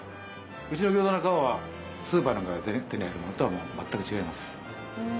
うちの餃子の皮はスーパーなんかで手に入るものとは全く違います。